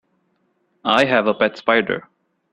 I have a pet spider.